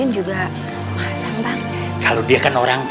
iya gak pak ngojo